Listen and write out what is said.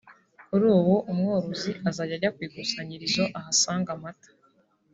Kuri ubu umworozi azajya ajya ku ikusanyirizo ahasange amata